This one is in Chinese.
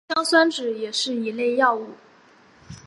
硝酸酯也是一类药物。